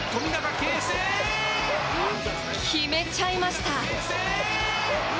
決めちゃいました！